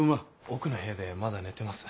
奥の部屋でまだ寝てます。